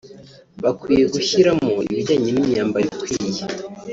bakwiye gushyiramo ibijyanye n’imyambaro ikwiye